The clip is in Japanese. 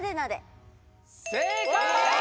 正解！